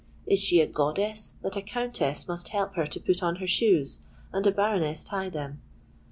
Is she a goddess that a Countess must help her to put on her shoes, and a Baroness tie them?